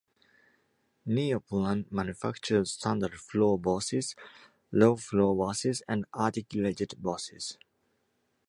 Neoplan manufactured standard-floor buses, low-floor buses, and articulated buses.